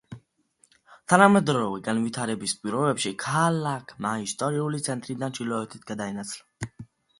თანამედროვე განვითარების პირობებში, ქალაქმა ისტორიული ცენტრიდან ჩრდილოეთით გადაინაცვლა.